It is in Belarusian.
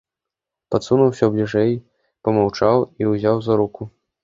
Падсунуўся бліжэй, памаўчаў і ўзяў за руку.